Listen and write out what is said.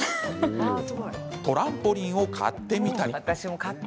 トランポリンを買ってみたり。